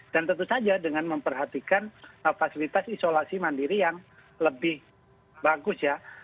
dan tentu saja dengan memperhatikan fasilitas isolasi mandiri yang lebih bagus ya